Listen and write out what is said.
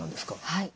はい。